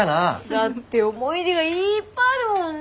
だって思い出がいっぱいあるもん。ね。